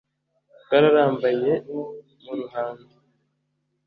twararambanye mu ruhando,